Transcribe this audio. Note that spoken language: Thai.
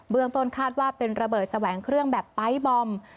เมืองต้นคาดว่าเป็นระเบิดแสวงเครื่องแบบไปร์ทบอม